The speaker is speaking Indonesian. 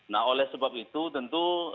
nah oleh sebab itu tentu